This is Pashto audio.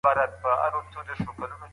ټولنه د لوړتیا په حال کي ده.